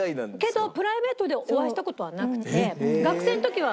けどプライベートでお会いした事はなくて。